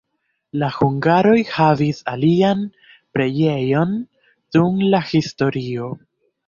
La hungaroj havis alian preĝejon dum la historio.